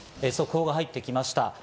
速報が入ってきました。